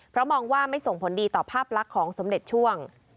เพราะมองว่าไม่ส่งผลดีต่อภาพลักษณ์ของสมเด็จช่วง